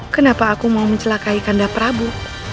kenapa aku mau mencelakaikan daprabu